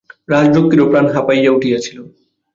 রাজলক্ষ্মীরও প্রাণ হাঁপাইয়া উঠিয়াছিল।